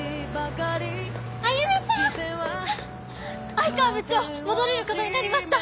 愛川部長戻れる事になりました。